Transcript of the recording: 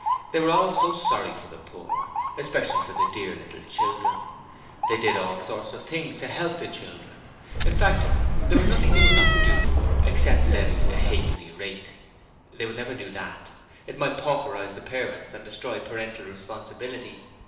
They were all so sorry for the poor, especially for the 'dear little children'. They did all sorts of things to help the children. In fact, there was nothing that they would not do for them except levy a halfpenny rate. It would never do to do that. It might pauperize the parents and destroy parental responsibility.